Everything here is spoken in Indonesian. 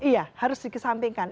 iya harus dikesampingkan